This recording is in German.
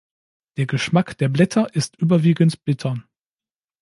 Der Geschmack der Blätter ist überwiegend bitter.